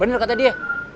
bener kata dia